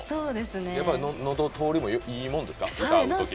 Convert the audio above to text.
やっぱり、のど通りもいいもんですか？